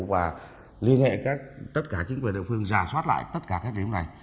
và liên hệ tất cả chính quyền địa phương giả soát lại tất cả các điểm này